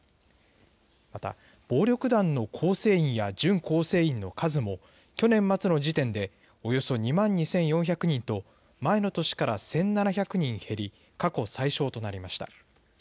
また、暴力団の構成員や準構成員の数も、去年末の時点でおよそ２万２４００人と前の年から１７００人減り、過去最少となりました。